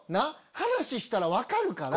話したら分かるから。